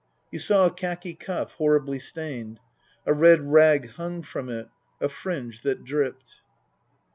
You saw a khaki cuff, horribly stained. A red rag hung from it, a fringe that dripped.